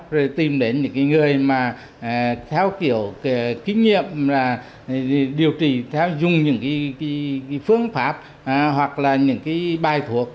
rồi tìm đến những người theo kiểu kinh nghiệm điều trị dùng những phương pháp hoặc là những bài thuốc